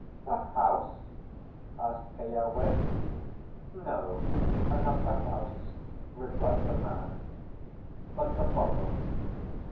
"The house?" asked Keawe. "No, not the house," replied the man; "but the bottle.